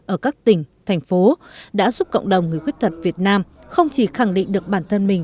ở các tỉnh thành phố đã giúp cộng đồng người khuyết tật việt nam không chỉ khẳng định được bản thân mình